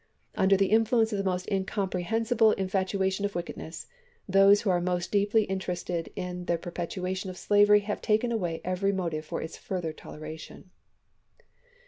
.. Under the influence of the most incomprehensible infatuation of wickedness, those who are most deeply interested in the perpetuation of slavery have taken away every motive for its further toleration."